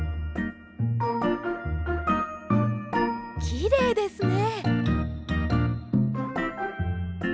きれいですね。